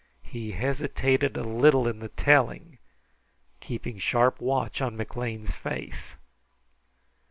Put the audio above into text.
He hesitated a little in the telling, keeping sharp watch on McLean's face.